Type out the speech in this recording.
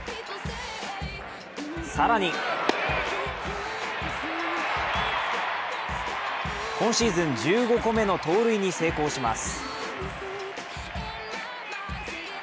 更に今シーズン１５個目の盗塁に成功します。